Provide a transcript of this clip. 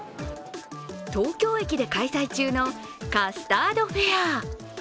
東京駅で開催中のカスタードフェア。